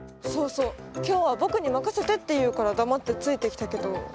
そうそう「きょうはぼくにまかせて」っていうからだまってついてきたけど。